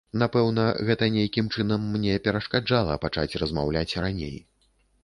Напэўна, гэта нейкім чынам мне перашкаджала пачаць размаўляць раней.